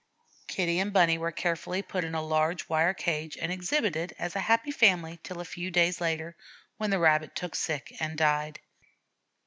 Kitty and Bunny were carefully put in a large wire cage and exhibited as a happy family till a few days later, when the Rabbit took sick and died.